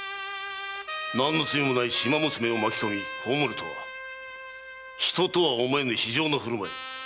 何の罪もない島娘を巻き込み葬るとは人とは思えぬ非情な振る舞い。